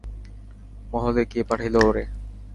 মহলে, কে পাঠাইলো ওরে?